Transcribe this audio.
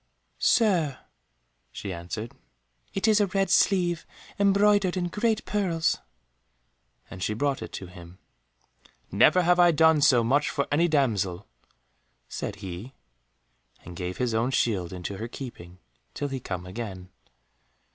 "Sir," she answered, "it is a red sleeve, embroidered in great pearls," and she brought it to him. "Never have I done so much for any damsel," said he, and gave his own shield into her keeping, till he came again.